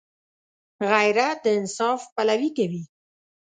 غیرت د انصاف پلوي کوي